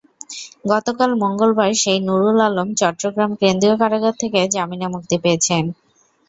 গতকাল মঙ্গলবার সেই নুরুল আলম চট্টগ্রাম কেন্দ্রীয় কারাগার থেকে জামিনে মুক্তি পেয়েছেন।